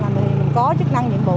mình có chức năng nhiệm vụ